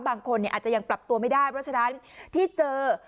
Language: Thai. บางคนอาจจะยังปรับตัวไม่ได้เพราะฉะนั้นที่เจอ